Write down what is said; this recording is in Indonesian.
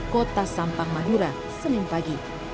kota sampang masjid